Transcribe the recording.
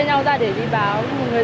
người mẹ đã xuất hiện kịp thời